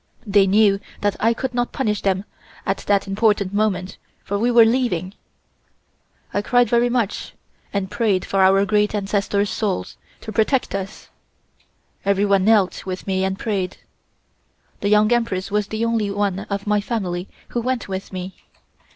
They knew that I could not punish them at that important moment, for we were leaving. I cried very much and prayed for our Great Ancestors' Souls to protect us. Everyone knelt with me and prayed. The Young Empress was the only one of my family who went with me.